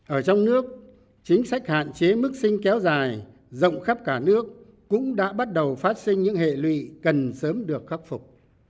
ở trong nước chính sách hạn chế mức sinh kéo dài rộng khắp cả nước cũng đã bắt đầu phát sinh những hệ lụy cần sớm được khắc phục